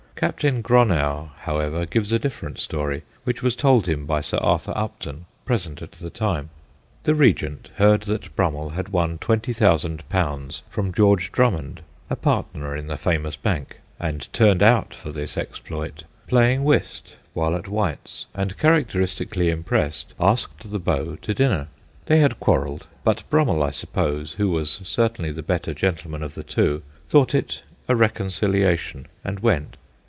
Captain Gronow, however, gives a different story, which was told him by Sir Arthur Upton, present at the time. The Regent heard that Brummell had won 20,000 from George Drummond a partner in the famous bank, and turned out for this exploit playing whist at White's, and, characteristically impressed, asked the Beau to dinner. They had quarrelled, but Brummell, I suppose, who was certainly the better gentleman of the two, thought it a reconciliation and went.